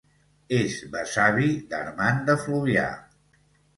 És besavi d'Armand de Fluvià.